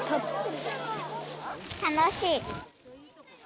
楽しい。